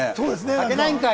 はけないんかい！